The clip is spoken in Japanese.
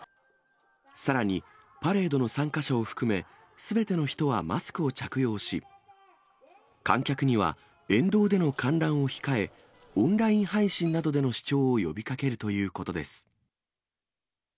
さらに、パレードの参加者を含め、すべての人はマスクを着用し、観客には沿道での観覧を控え、オンライン配信などでの視聴を呼びかけるということです。